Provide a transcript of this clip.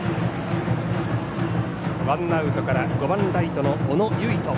ワンアウトから５番、ライトの小野唯斗